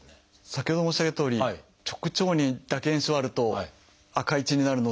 先ほど申し上げたとおり直腸にだけ炎症があると赤い血になるので。